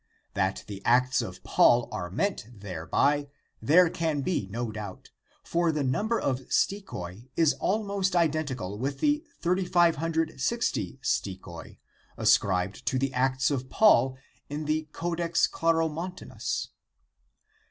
That the Acts of Paul are meant thereby there can be no doubt, for the number of stichoi is almost identical with the 3560 stichoi, ascribed to the Acts of Paul in the Codex Claromontanus.